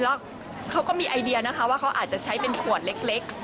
แล้วเขาก็มีไอเดียนะคะว่าเขาอาจจะใช้เป็นขวดเล็ก